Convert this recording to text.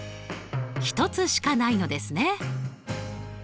１つしかないのですね。